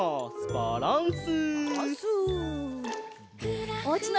バランス！